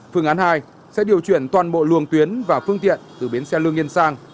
phương án hai sẽ điều chuyển toàn bộ lường tuyến và phương tiện từ bến xe lương nhiên sang